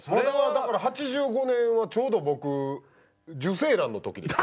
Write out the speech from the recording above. だから’８５年はちょうど僕受精卵の時です。